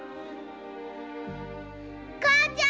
母ちゃん！